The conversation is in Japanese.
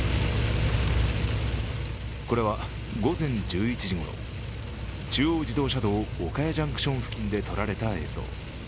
これは、午前１１時ごろ中央自動車道岡谷ジャンクション付近で撮られた映像。